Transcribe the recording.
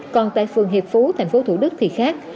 còn tại phường hiệp phú thành phố thủ đức thì khác